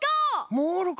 モールか！